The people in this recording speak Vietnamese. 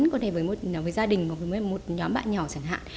có thể với gia đình với một nhóm bạn nhỏ chẳng hạn